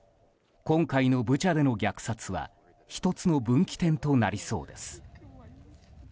今回のブチャでの虐殺は１つの分岐点となりそうです。